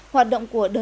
hoạt động của đất nước